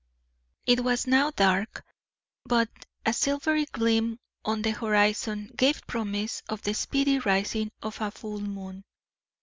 It was now dark, but a silvery gleam on the horizon gave promise of the speedy rising of a full moon.